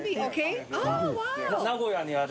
名古屋にある。